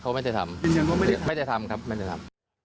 เขาไม่ได้ทำครับเขาไม่ได้ทำ